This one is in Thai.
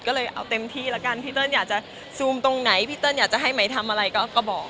ก็เลยเอาเต็มที่แล้วกันพี่เติ้ลอยากจะซูมตรงไหนพี่เติ้ลอยากจะให้ไหมทำอะไรก็บอก